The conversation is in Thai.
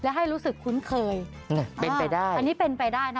และให้รู้สึกคุ้นเคยเป็นไปได้อันนี้เป็นไปได้นะ